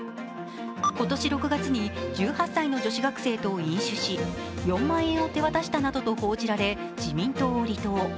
今年６月に１８歳の女子学生と飲酒し４万円を手渡したなどと報じられ、自民党を離党。